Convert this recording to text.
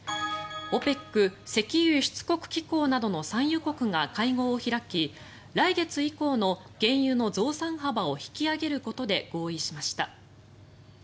ＯＰＥＣ・石油輸出国機構などの産油国が会合を開き来月以降の原油の増産幅を引き上げることで合意しました。